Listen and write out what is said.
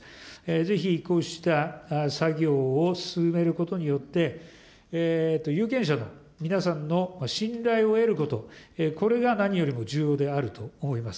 ぜひこうした作業を進めることによって、有権者の皆さんの信頼を得ること、これが何よりも重要であると思います。